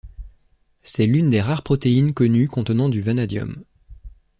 C'est l'une des rares protéines connues contenant du vanadium.